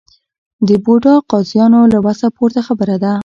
د بوډا قاضیانو له وسه پورته خبره ده.